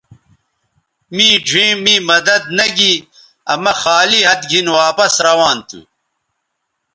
می ڙھیئں می مدد نہ گی آ مہ خالی ھَت گِھن واپس روان تھو